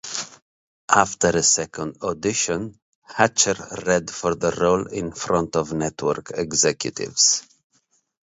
After a second audition, Hatcher read for the role in front of network executives.